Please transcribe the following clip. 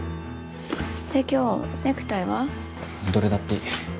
で今日ネクタイは？どれだっていい。